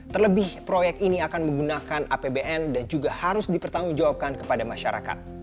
terlebih proyek ini akan menggunakan apbn dan juga harus dipertanggungjawabkan kepada masyarakat